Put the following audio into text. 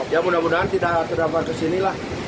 ya mudah mudahan tidak terdapat kesini lah